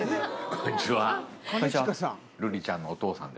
こんにちは。